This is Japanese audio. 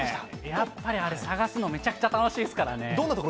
やっぱりあれ、探すのめちゃくちゃ楽しいですからね。